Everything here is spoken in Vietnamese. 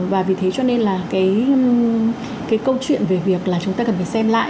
và vì thế cho nên là cái câu chuyện về việc là chúng ta cần phải xem lại